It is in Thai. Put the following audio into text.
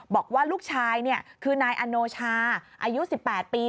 บอกว่าลูกชายคือนายอโนชาอายุ๑๘ปี